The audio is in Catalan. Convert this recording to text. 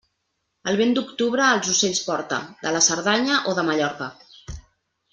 El vent d'octubre els ocells porta, de la Cerdanya o de Mallorca.